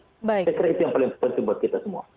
saya kira itu yang paling penting buat kita semua